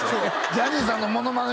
ジャニーさんのモノマネ